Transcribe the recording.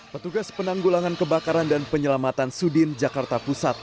petugas penanggulangan kebakaran dan penyelamatan sudin jakarta pusat